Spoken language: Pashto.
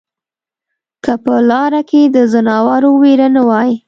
که په لاره کې د ځناورو وېره نه وای